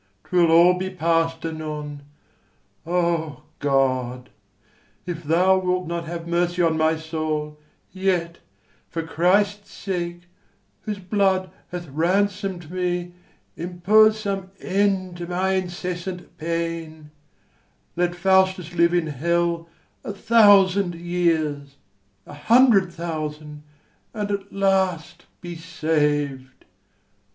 'twill all be past anon O God, If thou wilt not have mercy on my soul, Yet for Christ's sake, whose blood hath ransom'd me, Impose some end to my incessant pain; Let Faustus live in hell a thousand years, A hundred thousand, and at last be sav'd!